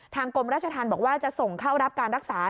กรมราชธรรมบอกว่าจะส่งเข้ารับการรักษา